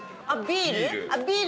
あビール？